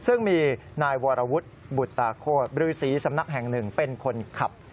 ซึ่งมีนายวรวุฒิบุตตาโคตรบรือศรีสำนักแห่งหนึ่งเป็นคนขับ